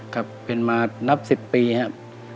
ครับเป็นมานับ๑๐ปีครับ